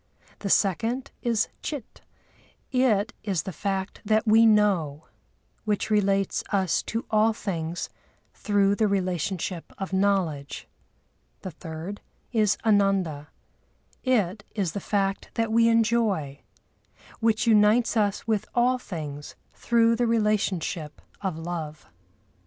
The second is Chit; it is the fact that we know, which relates us to all things through the relationship of knowledge. The third is Ananda: it is the fact that we enjoy, which unites us with all things through the relationship of love.